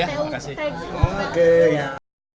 oke terima kasih